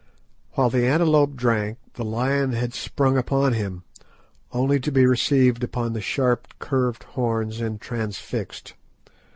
While the antelope drank, the lion had sprung upon him, only to be received upon the sharp curved horns and transfixed.